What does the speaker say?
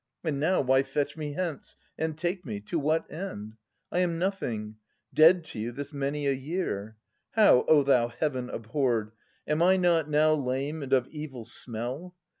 — And now Why fetch me hence and take me ? To what end ? I am nothing, dead to you this many a year. How, O thou Heaven abhorred ! am I not now Lame and of evil smell